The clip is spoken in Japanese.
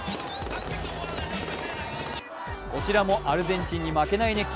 こちらもアルゼンチンに負けない熱気。